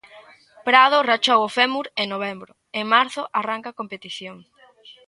Prado rachou o fémur en novembro, en marzo arranca a competición.